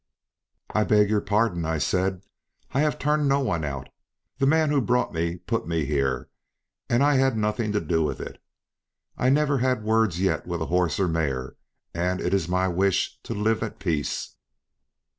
"I beg your pardon," I said, "I have turned no one out; the man who brought me put me here, and I had nothing to do with it. I never had words yet with horse or mare, and it is my wish to live at peace."